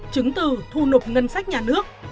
chứng từ thu nục ngân sách nhà nước